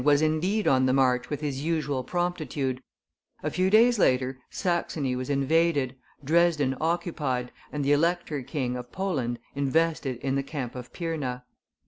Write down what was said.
was indeed on the march with his usual promptitude; a few days later, Saxony was invaded, Dresden occupied, and the Elector king of Poland invested in the camp of Pirna.